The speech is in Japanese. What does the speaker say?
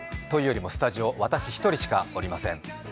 というよりもスタジオ、私１人しかいません。